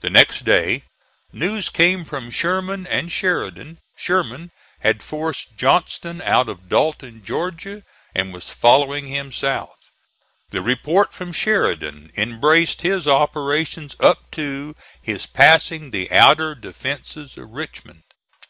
The next day news came from Sherman and Sheridan. Sherman had forced Johnston out of Dalton, Georgia, and was following him south. The report from Sheridan embraced his operations up to his passing the outer defences of Richmond.